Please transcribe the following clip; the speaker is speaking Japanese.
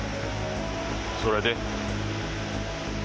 それで？